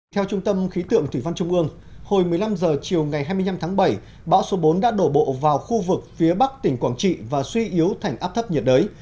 theo trung tâm khí tượng thủy văn trung ương hồi một mươi năm h chiều ngày hai mươi năm tháng bảy bão số bốn đã đổ bộ vào khu vực phía bắc tỉnh quảng trị và suy yếu thành áp thấp nhiệt đới